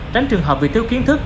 tránh trường hợp vì thiếu kiến thức